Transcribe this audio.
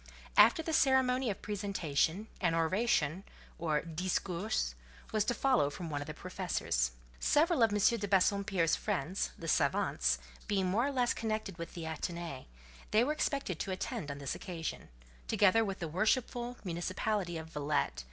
After the ceremony of presentation, an oration, or "discours," was to follow from one of the professors. Several of M. de Bassompierre's friends—the savants—being more or less connected with the Athénée, they were expected to attend on this occasion; together with the worshipful municipality of Villette, M.